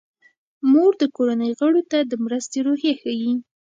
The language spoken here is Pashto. مور د کورنۍ غړو ته د مرستې روحیه ښيي.